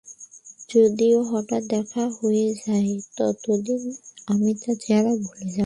যদিও হঠাৎ দেখা হয়ে যায়, ততদিনে আমি তার চেহারাও ভুলে যাব।